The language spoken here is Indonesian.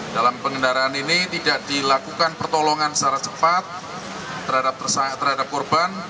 dalam pengendaraan ini tidak dilakukan pertolongan secara cepat terhadap korban